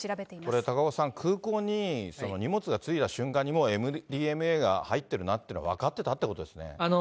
これ、高岡さん、空港に荷物が着いた瞬間にもうＭＤＭＡが入ってるなって分かってたってことですね。